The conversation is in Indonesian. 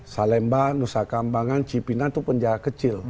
salemba nusa kambangan cipinang itu penjara kecil